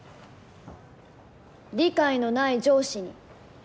理解のない上司に。